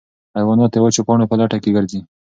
حیوانات د وچو پاڼو په لټه کې ګرځي.